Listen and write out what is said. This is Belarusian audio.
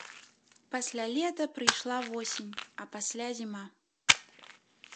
Пасля лета прыйшла восень, а пасля зіма.